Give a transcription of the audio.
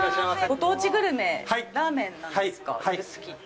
ご当地グルメ、ラーメンなんですか、指宿って。